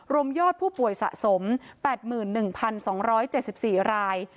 รวมยอดผู้ป่วยสะสม๘๑๒๗๔ราย